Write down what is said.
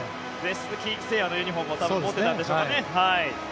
鈴木誠也のユニホームも多分、持ってたんでしょうかね。